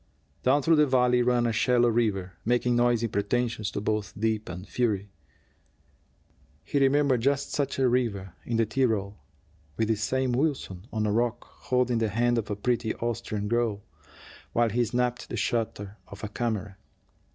Down through the valley ran a shallow river, making noisy pretensions to both depth and fury. He remembered just such a river in the Tyrol, with this same Wilson on a rock, holding the hand of a pretty Austrian girl, while he snapped the shutter of a camera.